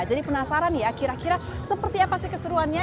jadi penasaran ya kira kira seperti apa sih keseruannya